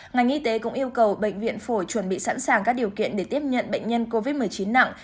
ngành y tế cũng yêu cầu bệnh viện phổi chuẩn bị sẵn sàng các điều kiện để tiếp nhận bệnh nhân covid một mươi chín nặng